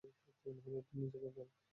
মহিলাটিই নিজেকে বলে।